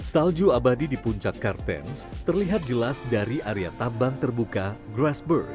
salju abadi di puncak kartens terlihat jelas dari area tambang terbuka grassberg